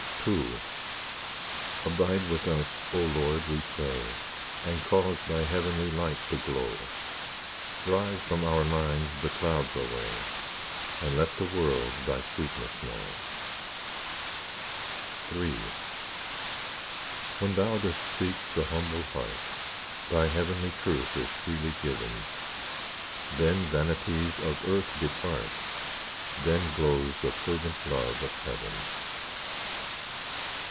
II Abide with us, O Lord, we pray, And cause Thy heavenly light to glow; Drive from our minds the clouds away, And let the world Thy sweetness know. III When Thou dost seek the humble heart, Thy heavenly truth is freely given; Then vanities of earth depart, Then glows the fervent love of heaven.